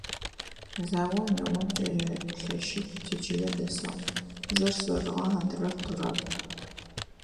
Заом игъом кӏэлэ лъэщитӏу тичылэ дэсыгъ; зыр – сэрыгъэ, адрэр – Тураб.